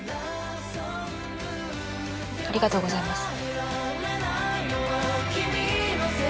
ありがとうございます。